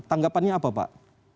tanggapannya apa pak